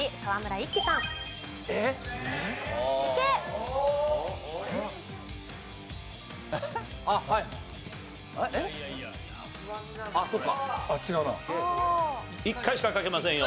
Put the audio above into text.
一回しか書けませんよ。